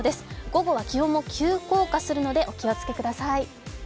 午後は気温も急降下するのでお気をつけください。